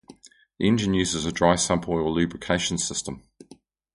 The engine uses a dry sump oil lubrication system.